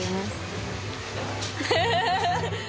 フフフフ。